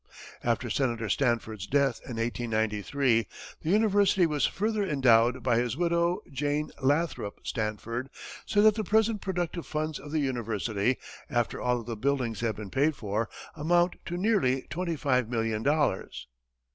After Senator Stanford's death in 1893, the university was further endowed by his widow, Jane Lathrop Stanford, so that the present productive funds of the university, after all of the buildings have been paid for, amount to nearly twenty five million dollars.